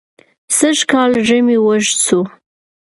سژ کال ژمى وژد سو